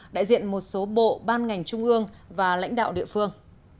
đại diện một số bộ ban ngành trung ương và lãnh đạo địa phương